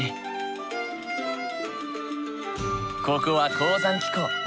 ここは高山気候。